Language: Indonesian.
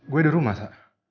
gue di rumah sa